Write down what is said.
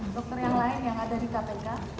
dokter yang lain yang ada di kpk